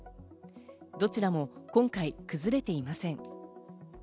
どちらも今回、崩れていません。